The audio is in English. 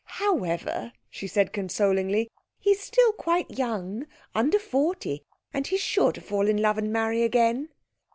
'However,' she said consolingly, 'he's still quite young, under forty, and he's sure to fall in love and marry again.'